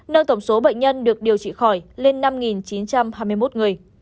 nâng tổng số bệnh nhân được điều trị khỏi lên năm chín trăm hai mươi một người